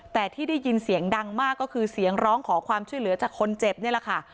แต่ที่ได้ยินเสียงดังมากก็คือเสียงร้องขอความช่วยเหลือจากคนเจ็บนี่แหละค่ะ